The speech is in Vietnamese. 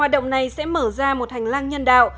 đồng này sẽ mở ra một hành lang nhân đạo